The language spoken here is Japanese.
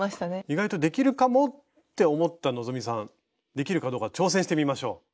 意外とできるかもって思った希さんできるかどうか挑戦してみましょう！